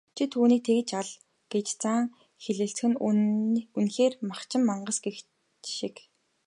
"Чи түүнийг тэгж ал" гэж заан хэлэлцэх нь үнэхээр махчин мангас гэгч шиг.